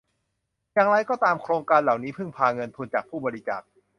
อย่างไรก็ตามโครงการเหล่านี้พึ่งพาเงินทุนจากผู้บริจาค